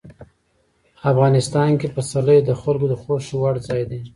افغانستان کې پسرلی د خلکو د خوښې وړ ځای دی.